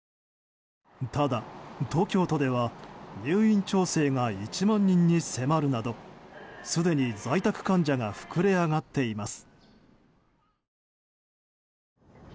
ただ、東京都では入院調整が１万人に迫るなどすでに在宅患者が膨れ上がっています。